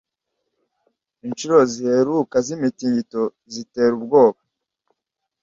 inshuro ziheruka z'imitingito zitera ubwoba